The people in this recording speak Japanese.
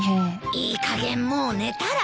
いいかげんもう寝たら？